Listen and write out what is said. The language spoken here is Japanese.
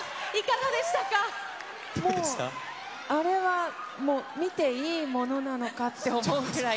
もう、あれはもう、見ていいものなのかって思うぐらい。